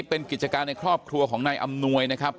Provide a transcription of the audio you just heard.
เป็นกิจการในครอบครัวของนายอำนวยนะครับ